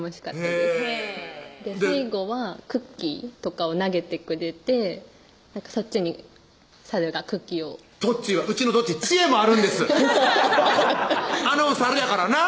最後はクッキーとかを投げてくれてそっちに猿がクッキーをうちのとっち知恵もあるんですあんな